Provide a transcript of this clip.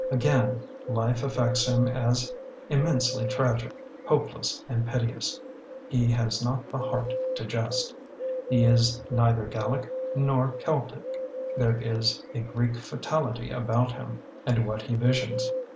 Again, life affects him as im mensely tragic, hopeless, and piteous. He has not the heart to jest. He is neither Gallic nor Celtic. There is a Greek fatality about him and what he visions.